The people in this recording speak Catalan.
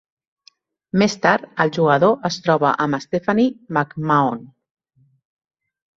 Més tard, el jugador es troba amb Stephanie McMahon.